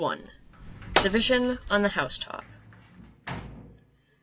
THE VISION ON THE HOUSETOP.